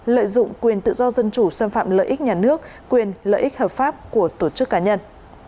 lợi dụng quyền tự do dân chủ xâm phạm lợi ích nhà nước quyền lợi ích hợp pháp của tổ chức cá nhân